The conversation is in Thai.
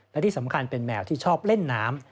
และที่สำคัญเป็นแมวที่ชอบเล่นน้ำ